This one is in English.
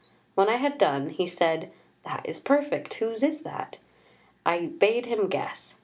When I had done he said, 'That is perfect, whose is that?' I bade him guess.